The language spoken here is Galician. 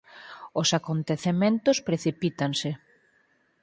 Os acontecementos precipítanse.